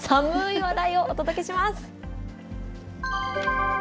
話題をお届けします。